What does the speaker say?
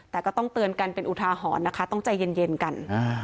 แต่ก็ต้องเตือนกันเป็นอุทาหรณ์นะคะต้องใจเย็นกัน